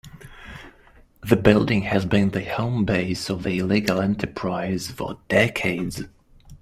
The building has been the home base of the illegal enterprise for decades.